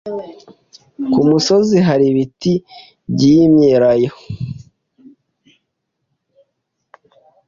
Ku musozi hari ibiti by'imyelayo?